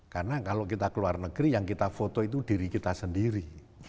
karena kalau kita keluar negeri yang kita foto itu diri kita sendiri